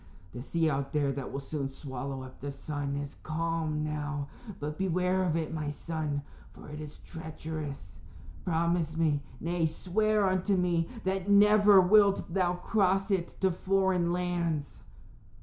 The sea out there that will soon swallow up the sun is calm now. But beware of it, my son, for it is treacherous. Promise me nay, swear unto me that never wilt thou cross it to foreign lands."